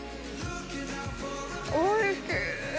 おいしい！